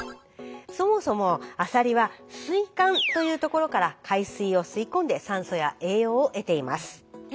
そもそもアサリは水管というところから海水を吸い込んで酸素や栄養を得ています。